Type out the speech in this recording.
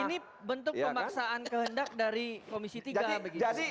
ini bentuk pemaksaan kehendak dari komisi tiga